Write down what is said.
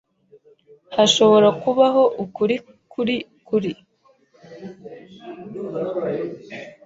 Hashobora kubaho ukuri kuri kuri.